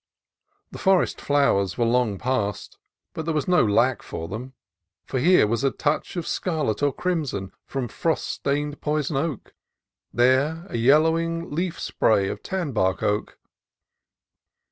The forest flowers were long past, but there was no lack for them ; for here was a touch of scarlet or crimson from frost stained poi son oak, there a yellowing leaf spray of tan bark oak.